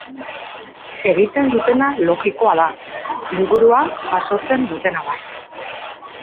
Egiten dutena logikoa da, inguruan jasotzen dutena da.